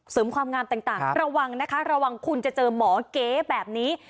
เสริมความงามต่างระวังนะคะระวังคุณจะเจอหมอเก๋แบบนี้